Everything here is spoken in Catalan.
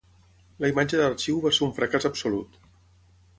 La imatge d'arxiu va ser un fracàs absolut.